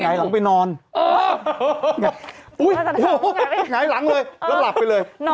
หงายหลังเลยแล้วหลับไปเลย